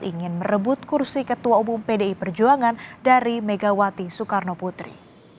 ingin merebut kursi ketua umum pdi perjuangan dari megawati soekarno putri